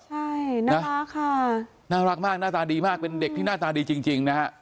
ใช่นะคะน่ารักมากหน้าตาดีมากเป็นเด็กที่หน้าตาดีจริงนะฮะ